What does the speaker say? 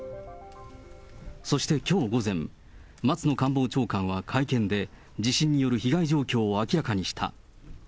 そしてきょう午前、松野官房長官は会見で、地震による被害状況を明らかにした。